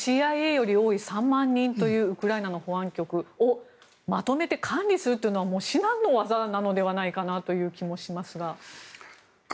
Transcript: ＣＩＡより多い３万人というウクライナの保安局をまとめて管理するっていうのは至難の業なのではないかなという気もしますが。